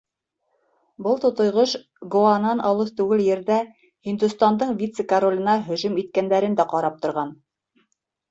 Был тутыйғош Гоанан алыҫ түгел ерҙә һиндостандың вице-короленә һөжүм иткәндәрен дә ҡарап торған.